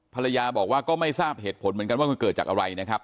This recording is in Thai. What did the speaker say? ภรรยาบอกว่าก็ไม่ทราบเหตุผลเหมือนกันว่ามันเกิดจากอะไรนะครับ